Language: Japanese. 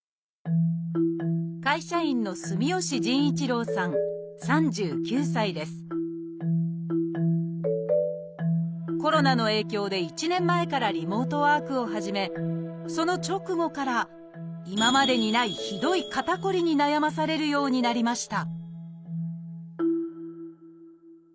会社員のコロナの影響で１年前からリモートワークを始めその直後から今までにないひどい肩こりに悩まされるようになりました